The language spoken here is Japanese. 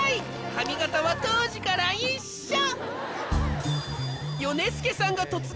髪形は当時から一緒！